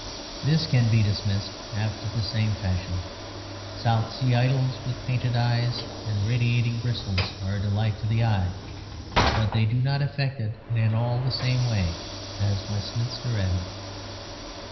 This can be dismissed after the same fashion; South Sea idols, with painted eyes and radiating bristles, are a delight to the eye; but they do not affect it in at all the same way as Westminster Abbey.